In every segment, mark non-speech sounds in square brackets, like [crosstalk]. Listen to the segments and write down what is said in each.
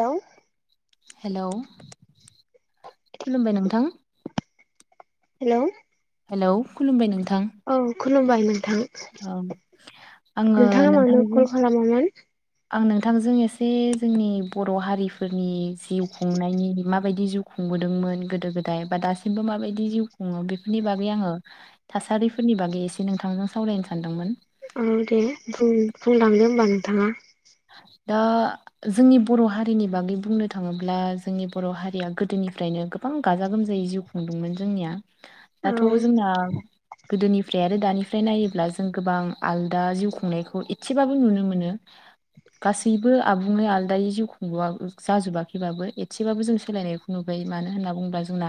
Hello hello खुलुमबाय नोंथां hello hello खुलुमबाय नोंथां औ खुलुमबाय नोंथां औ आङो नोंथाङा मानो नोंथांजों कल खालामामोन आं नोंथांजों एसे जोंनि बर हारिफोरनि जिउ खुंनायनि [unintelligible] बायदि जिउ खुंबोदोंमोन गोदो गोदाय बा दासिमबो माबायदि जिउ खुङो बेफोरनि बागै आङो [unintelligible] थासारिफोरनि बागै एसे नोंथांजों सावरायायनो सानदोंमोन उम दे बुं बुंलांदो होमबा नोंथाङा दा जोंनि बर हारिनि बागै बुंनो थाङोब्ला जोंनि बर हारिया गोदोनिफ्राय नो गोबां गाजा गोमजायै जिउ खुंदोंमोन जोंनिया औ दाथ जोंना गोदोनिफ्राय आरो दानिफ्राय नायोब्ला जों गोबां आलदा जिउ खुंनायखौ एसेबाबो नुनो मोनो गासैबो आबुङै आलादायै जिउ खुङा जाजोबाखैबाबो एसेबाबो जों सोलायनायखौ नुबो बाय मानो होनना बुंङोबा जोंना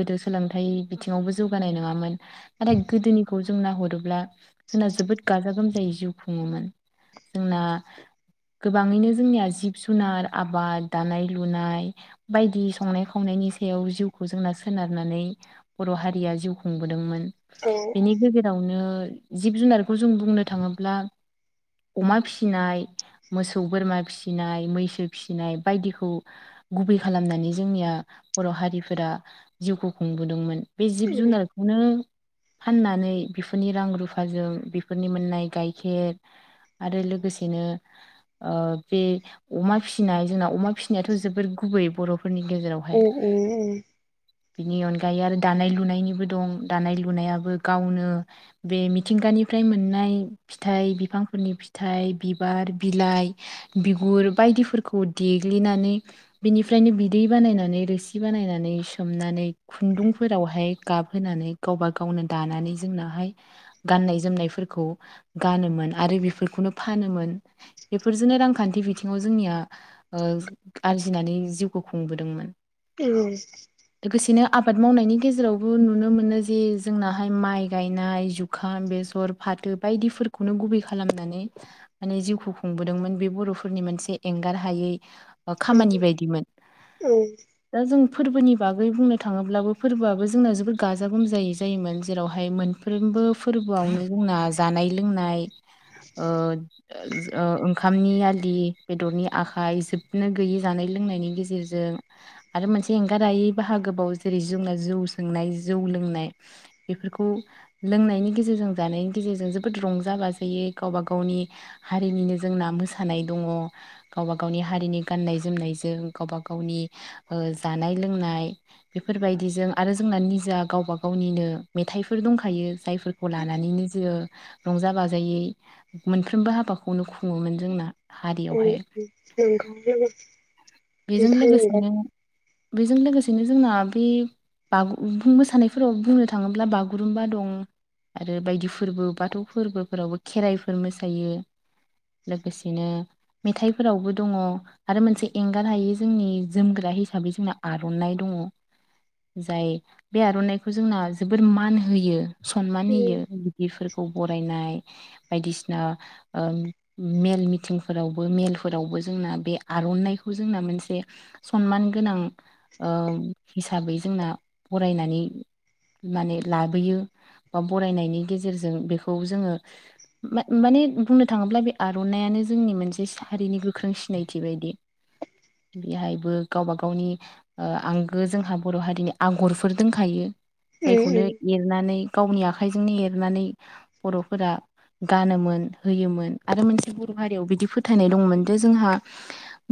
गोदो सोलोंथाइ बिथिंआवबो जौगानाय नोङामोन नाथाय गोदो जोंनिखौ जों नाहरोब्ला जोंना जोबोद गाजा गोमजायै जिउ खुङोमोन जोंना [inaudible] गोबाङैनो जोंनिया जिब जुनार आबाद दानाय लुनाय बायदि संनाय खावनायनि सायाव जिउखौ जोंना सोनारनानै बर हारिया जिउ खुंबोदोंमोन औ बेनि गेजेरावनो जिब जुनारखौ जों बुंनो थाङोब्ला अमा फि - फिसिनाय मोसौ बोरमा फिसिनाय मैसो फिसिनाय बायदिखौ गुबै खालामनानै जोंनिया बर हारिफोरा जिउखौ खुंबोदोंमोन बे जिब औ जुनारखौनो फाननानै बेफोरनि रां रुफाजों बेफोरनि मोननाय गाइखेर आरो लोगोसे बिदिनो ओ बे अमा फिसिनाय जोंना अमा फिसिनायाथ जोबोर गुबै बर फोरनि औ गेजेरावहाय नंगौ नोंथां नंगौ। उम उम औ बेनि अनगायै आरो दानाय लुनायनिबो दं दानाय लुनायाबो गावनो बे मिथिंगानि फ्राय मोननाय फिथाइ बिफांफोरनि फिथाइ बि बिबार बिलाइ बिगुर बायदिफोरखौ देग्लिनानै बिनिफ्रायनो बिदै बा बानायनानै रोसि बानायनानै सोमनानै खुन्दुंफोरावहाय गाबहोनानै गावबा गावनो दा लानानै जोंनाहाय गाननाय जोमनायफोरखौ गानोमोन आरो बेफोरखौनो फानोमोन [inaudible] बेफोरजोंनो रांखान्थि बिथिङाव जोंनिया ओ आरजिनानै जिउखौ खुंबोदोंमोन औ लोगोसेनो आबाद मावनायनि गेजेरावबो नुनो मोनो जे जोंनाहाय माइ गायनाय जुखाम बेसर फा फाथो बायदिफोरखौनो गुबै खालामनानै माने जिउखौ खुंबोदोंमोन बे बर'फोरनि मोनसे एंगार हायै ओ उम खामानि बायदिमोन उम दा जों फोरबोनि बागै बुंनो थाङोब्लाबो फोरबोआबो जोंना जोबोद गाजा गोमजायै जायोमोन जेरावहाय मोनफ्रोम बो फोरबोआवनो जोंना जानाय लोंनाय ओ ओ ओंखामनि आलि बेदरनि आखाइ जोबनो गैयै जानाय लोंनायनि गेजेरजों। जों आरो मोनसे एंगारायै बाहागो बाव जेरै जोंना जौ सोंनाय जौ लोंनाय। बेफोरखौ लोंनायनि गेजेरजों जानायनि गेजेरजों जोबोद रंजा बाजायो गावबा गावनि हारिनिनो जोंना मोसानाय दङ गावबा गावनि हारिनि गाननाय जोमनायजों गावबा गावनि नि ओ जानाय लोंनाय बेफोरबायदिजों आरो जोंना निजाआ गावबा गावनिनो मेथाइफोर दंखायो जायफोरखौ लानानैनो जो रंजा बाजायै मोनफ्रबो हाबाखौ खौनो खुङोमोन जोंना। हारियावहाय औ उम औ औ उम बेजों उम लोगोसेनो। बेजों लोगोसेनो जोंना बे बा बुं मोसानायफोराव बुंनो थाङोब्ला बागुरुम्बा दं। आरो बायदि फोरबो बाथौ फोरबोफोरावबो खेराइफोर मोसायो। लोगोसेनो मेथाइफोरावबो दङ आरो मोनसे एंगार हायो जोंनि जोमग्रा हिसा बै जोंना आर'नानायइ दङ। जाय बे आर'नाइखौ जोंना जोबोर मान होयो। सनमान होयो औ बिदिरफोरखौ बरायनाय बायदिसिना ओ मेल मिटिंफोरावबो मेलफोरावबो जोंना बे आर'नाइखौ जोंना मोनसे सनमान गोनां, ओ हिसाबै जोंना फरायनानै माने लाबोयो बा बरायनायनि गेजेरजों बेखौ जोङो माने मे बुंनो थाङोब्ला बे आर'नायइानो जोंनि मोनसे सारिनि गोख्रों सिनायथि बायदि बेहायबो गावबा गावनि ओ आंगो जोंहा बर' हारिनि आगरफोर दंखायो। जायखौ नो इरना नै गावनि आखाइजोंनो एरनानै बर'फोरा गानोमोन। होयोमोन आरो मोनसे बर' हारियाव बिदि फोथायनाय दंमोन जे, जोंहा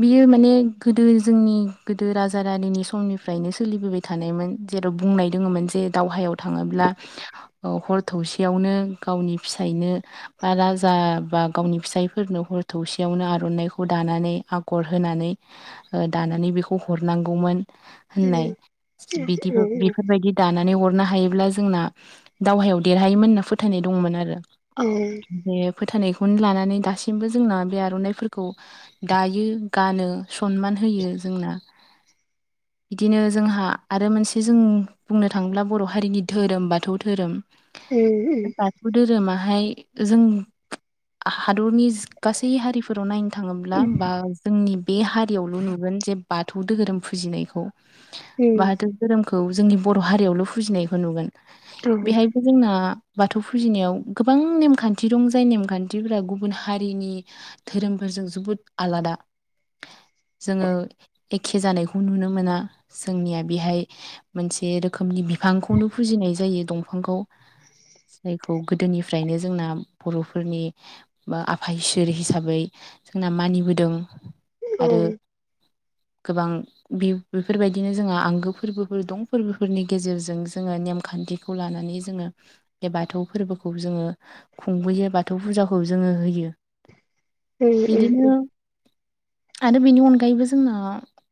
बियो माने गोदो जोंनि गोदो राजा रानिनि समनिफ्रायनो सोलिबोबाय थानायमोन जेराव बुंनाय दङमोन जे दाव दहायाव थाङोब्ला, ओ हर थौसेयावनो गावनि फिसायनो बा जाबा गावनि फिसायफोरनो हर थौसेयावनो आर'नाइखौ दानानै आगर होनानै। ओ दानानै बेखौ हरनांगौमोन। औ होननाय बिदिबो बेफोरबायदि दानानै अरनो हा हायोब्ला जोंना दावहायाव देरहायोमोन होनना फोथायनाय दंमोन आरो। औ बे फोथायनायखौनो लानानै दासिमबो जोंना बे आर'नाइफोरखौ दायो गानो सनमान होयो जोंना। बिदिनो जोंहा आरो मोनसे जों बुंनो थाङोब्ला बर' हारिनि धोरोम बाथौ धोरोम। बाथौ धोरोमाहाय जों हादरनि गासै हारिफोराव नायनो थाङोब्ला बा जोंनि बे हारियावनो नुगोन जे बाथौ धोरोम फुजिनायखौ बाथौ धोरोमखौ खौ जोंनि बर' हारियावल' फुजिनायखौ नुगोन बेहायबो जोंना बाथौ फुजिनायाव गोबां नेमखान्थि दं। जाय नेमखान्थिफोरा गुबुन हारिनि धोरोमफोरजों जोबोद आलादा। जोङो एखे जानायखौ नुनो मोना जोंनिया बेहाय मोनसे रोखोमनि बिफांखौनो फुजिनाय जायो दंफांखौ जायखौ गोदोनिफ्रायनो जोंना बर'फोरनि आफा इसोर हिसाबै जोंना मानिबोदों। आरो [unintelligible] गोबां बेफोरबायदिनो जोंहा आंगो फोरबोफोर दं फोरबोफोरनि गेजेरजों जोङा नेमखान्थिखौ लानानै जोङो बे बाथौ फोर्बोखौ जोङो खुंबोयो बाथौ फुजाखौ जोङो होयो। बिदिनो उह-उह-उह आरो बेनि अनगायैबो जोंङा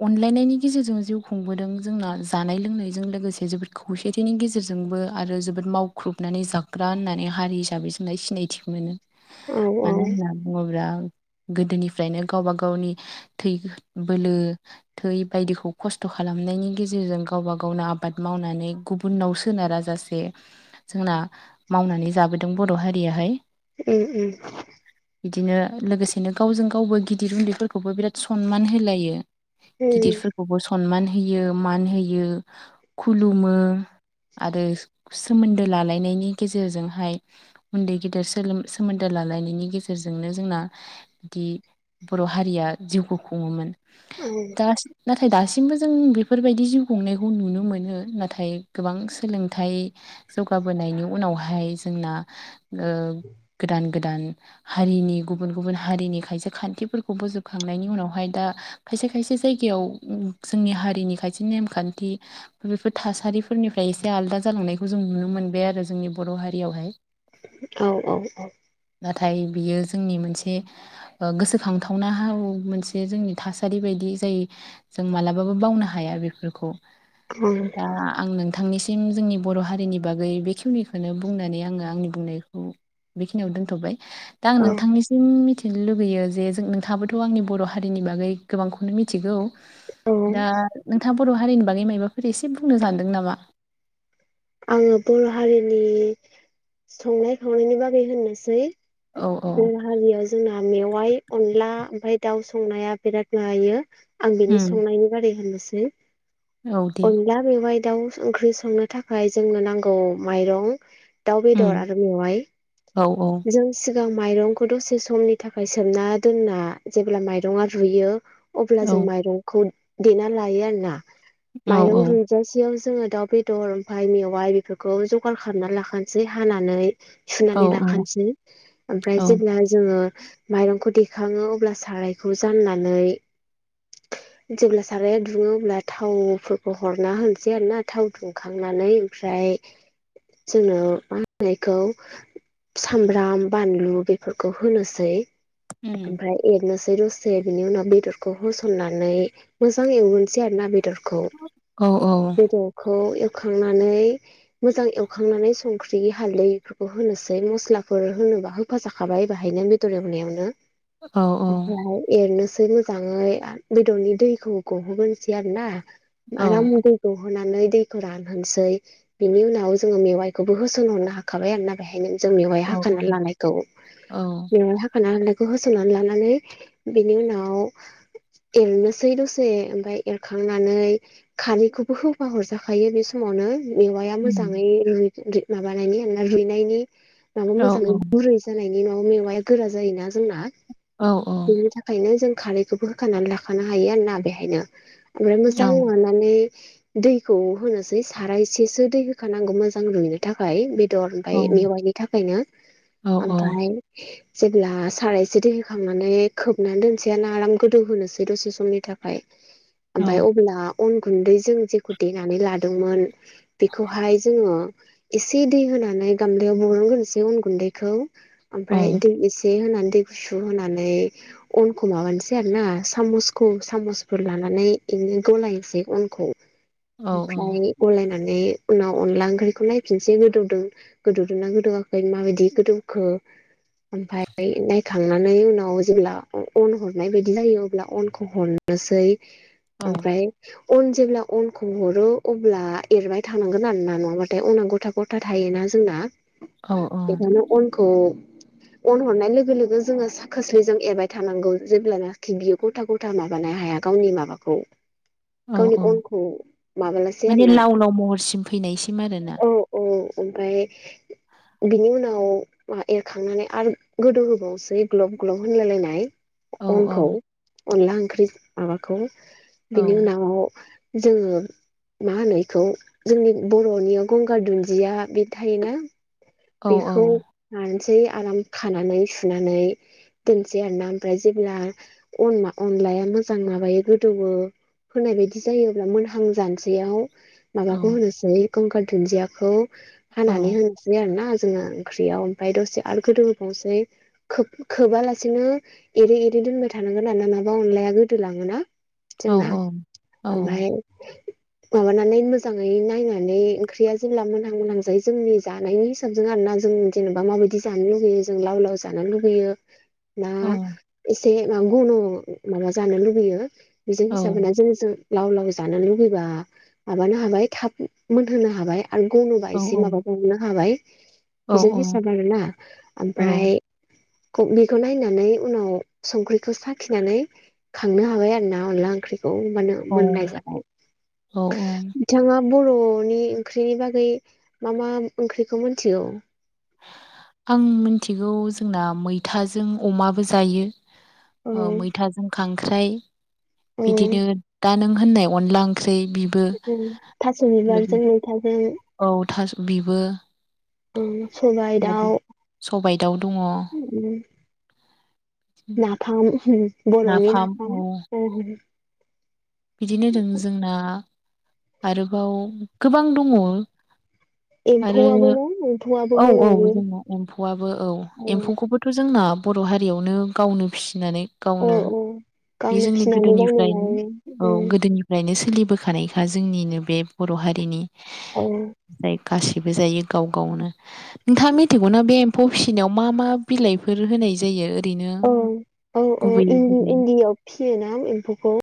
अनलायनायनि गेजेरजों जिउ खुंबोदों जोंना जानाय लोंनाय बेजों लोगोसे जोबोद खौसेथिनि गेजेरजोंबो आरो जोबोद मावख्रुबनानै जाग्रा होननानै हारि हिसाबै सिनायथिखौ मोनो होनना बुंङोब्ला गोदोनिफ्रायनो गावबा गावनि थै बोलो थै बायदिखौ खस्थ' खालामनायनि गेजेरजों गावबा गावनो आबाद मावनानै गुबुननाव सोनाराजासे जोंना मावनानै जाबोदों बर' हारियाहाय। उम उम। बिदिनो लोगोसेनो गावजों गावबो गिदिर उन्दैफोरखौबो बिराद सनमान होलायो। गिदिरफोरखौबो सनमान होयो मान होयो खुलुमो। आरो सोमोन्दो लालायनायनि गेजेरजोंहाय उन्दै गेदेर सोलोम सोमोन्दो लालायनायनि गेजेरजोंनो जोंना बिदि बर' हारिया जिउखौ खुंङोमोन। दा ना थाय दासिमबो जों बेफोरबायदि जिउ खुंनायखौ नुनो मोनो नाथाय गोबां सोलोंथाइ जौगाबोनायनि उनावहाय जोंना ओ गोदान गोदान हारिनि गुबुन गुबुन हारिनि खायसे खान्थिफोरखौ बोजोबखांनायनि उनावहाय दा खायसे खायसे जायगायाव उम जोंनि हारिनि खायसे नेमखान्थि बेफोर थासारिफोरनिफ्राय एसे आलादा जालांनायखौ जों नुनो मोनबाय आरो जोंनि बर' हारियावहाय। औ औ औ। नाथाय बियो जोंनि मोनसे ओ गोसोखांथावना हाव मोनसे जोंनि थासारि बायदि जाय जों मालाबाबो बावनो हाया बेफोरखौ। दा आं नोंथांनिसिम जोंनि बर' हारिनि बागै बेखिनिखौनो बुंनानै आंङो आंनि बुंनायखौ बेखिनियाव दोनथ'बाय दा आं औ नोंथांनिसिम मिथि थिनो लुगैयो जे जों नोंथाबोथ' आंनि बर' हारिनि बागै गोबांखौनो मिथिगौ। औ दा नोंथां बर' हारिनि बागै मायबाफोर एसे बुंनो सानदों नामा? आंङो बर' हारिनि संनाय खावनायनि बागै होननोसै। औ औ बर' हारिया जोंना मेवाइ अनला ओमफ्राय दाउ संनाया बिराद जायो आं बिनि उम संनायनि बारै होननोसै। औ दे अनला मेवाइ दाउ ओंख्रि संनो थाखाय जोंनो नांगौ माइरं। दाउ बेदर उम आरो मेवाय औ औ जों जों माइरंखौ दसे समनि थाखाय सोमना दोनना जेब्ला माइरंआ रुयो अब्ला औ जों माइरंखौ देना लायो आरोना औ माइरं रुयजासिम जोंङो दाउ बेदर ओमफाय मेवाइ बेफोरखौ जगार खालामनानै लाखानोसै हानानै। औ सुनानै लाखानोसै औ ओमफ्राय जेब्ला जोंङो माइरंखौ देखाङो अब्ला सारायखौ जाननानै जेब्ला साराया दुंङो अब्ला थावफोरखौ हरना होनिसै आरोना थाव दुंखां खांनानै ओमफ्राय जोंङो मा होननो बेखौ सामब्राम बानलु बेफोरखौ होनोसै औ ओमफ्राय एरनोसै दसे बिनि उनाव बेदरखौ होसननानै मोजां एवनोसै आरो ना बेदर खौ बेदरखौ एव खांनानै मोजां एवखांनानै संख्रि हालदैफोरखौ होनोसै मस्लाफोर हो बा होफा जाखाबाय बाहायनो बेदर एवनायआवनो औ औ ओमफ्राय एरनो सै मोजांङै आर बेदरनि दैखौ गहोगोरनोसै आरो ना औ आराम दै गहो नानै दैखौ रानहोसै बिनि उनाव जोंङो मेवाइखौबो होसनहरनो हाखाबाय आरोना बेहायनो। जों मेवयाइ औ हाखाना लानायखौ औ मेवयाइ हाखा लानाय खौ होसननानै लानानै बेनि उनाव एरनोसै दसे ओमफ्राय एरखांनानै खारैखौबो होफा हर जाखायो बे समावनो मेवाया उम मोजांङै रुइ रुइ माबानायनि रुइनायनि माने औ औ मोजांङै गुरै जानायनि न'नि मेवाया गोरा जायोना जोंना। औ औ बेनि थाखायनो जों खारैखौबो होखानानै लाखानो हायो आरोना बेहायनो। ओमफ्राय मोजां लानानै दै खौ होनोसै साराइसेसो दै होखानांगौ मोजां रुइनो थाखाय बेदर औ ओमफ्राय मेवाइनि थाखायनो औ ओमफाय। जेब्ला सारायसे दै होखांनानै खोबना दोनसै आराम गोदौ होनोनोसै दसे समनि थाखाय। औ ओमफ्राय अब्ला अन गुन्दै जों जेखौ देनानै लादोंमोन। बेखौहाय जोङो एसे दै होनानै गामलायाव बरनग्रोसै अन गुन्दैखौ। ओमफ्राय दै एसे होना। दै गुसु होनानै अनखौ माबानोसै आरो ना सामसखौ सामसफोर लानानै। बिदिनो गलायसै अनखौ ओमफ्राय गलायना। नै उनाव अनला ओंख्रिखौ नायफिनसै गोदौदों गोदौदोंना गोदौवाखै माबायदि गोदौखो। [unintelligible] ओमफ्राय नायखांनानै उनाव जेब्ला अन हरनाय बायदि जायो अब्ला अनखौ हरो। सै ओमफ्राय अन जेब्ला अन। खौ हरो अब्ला एरबाय थानांगोन आरोना नङाबाथाय अना गथा गथा थायोना जोंना। अ औ। ख' [unintelligible] अन हरनाय लोगो लोगो जोङो खोस्लिजों एरबाय थानांगौ जेब्लानाखि बियो गथा गथा माबानो। हाया गावनि माबाखौ। औ गावनि औ अनखौ माबालासै माने आरोना लाव लाव महरसिम फैनायसिम आरोना औ औ ओमफ्राय बिनि उनाव एरखांनानै आरो गोदौ होबावनोसै ग्लब ग्लब होनलायलायनाय औ औ अनखौ अनला ओंख्रि माबाखौ औ बिनि उनाव जोङो। मा होनो बेखौ जोंनि बर'नि गंगार दुन्दिया बि थायोना औ बेखौ औ लानोसै आराम खानानै सुनानै दोनसै आरोना ओमफ्राय जेब्ला अना अनलाया मोजां माबायो गोदौवो होनाय बायदि जायोब्ला मोनहांजानोसैयाव औ माबाखौ होनोसै गंगार दुन्दियाखौ हानानै औ होनोसै आरो ना जोङो ओंख्रियाव ओमफ्राय दसे आरो गोदौहोबावसै खोब खोबालासेनो एरै एरै दोनबाय थानांगोन आरो ना नङाबा अनलाया गोदोलाङोना औ जोंना औ ओमफ्राय। माबानानै मोजाङै नायनानै ओंख्रिया जेब्ला मोनहां मोनहां जायो जोंनि जानायनि हिसाबजों आरो ना जों जेनेबा माबायदि जानो लुुबैयो जों लाव लाव जानो लुुबैयो ना औ एसे गनु माबा जानो लुबैयो। बेजों हिसाबहोना जोङो। लाव लाव जानो लुुबैबा माबानो हाबाय थाब मोनहोनो हाबाय आरो गनोबा एसे माबाबावहोनो हाबाय बेजों हिसाब औ आरोना ओमफ्राय बेखौ नायनानै उनाव संख्रिखौ साखिनानै खांनो हाबाय आरो ना अनला ओंख्रि ओ मानो मोननाय जाबाय औ औ बिथाङा बरनि ओंख्रिनि बागै मा मा ओंख्रिखौ मिन्थियो आं मिन्थिगौ जोंना मैथाजों अमाबो जायो औ ओ मैथाजों खांख्राइ औ बिदिनो दा नों होननाय अनला ओंख ख्रि बिबो थास' बिबारजों मैथाजों औ थास बिबो उम सब। जाबो सबाय उम। नाफाम बरनि नाफाम औ बिदिनो दों जोंना आरोबाव गोबां दङ' आरो एम्फु आ बो न औ औ औ जोंना एम्फौआबो औ एम्फौखौबोथ जोंना बर' हारि। आरियावनो गावनो फिसिनानै। औ गावनो औ बे गावनो जोंनि फिसिनानै गावनो गोदोनिफ्रायनो लायो। औ उम गोदोनिफ्रायनो सोलिबोखानायखा जोंनिनो बे बर हारिनि। औ। जाय गासिबो जायो गाव गावनो नोंथाङा मिथिगौना बे एम्फौ फिसिनायाव मा मा बिलाइफोर होनाय जायो ओरैनो औ औ औ गुबै इन्दि बिलाइ इन्दियाव फियोना एम्फौखौ